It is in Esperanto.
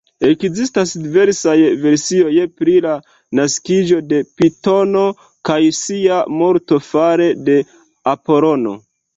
Ekzistas diversaj versioj pri la naskiĝo de Pitono kaj sia morto fare de Apolono.